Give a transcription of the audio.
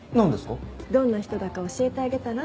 どんな人だか教えてあげたら？